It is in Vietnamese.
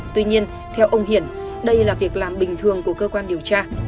tuy nhiên theo ông hiển đây là việc làm bình thường của cơ quan điều tra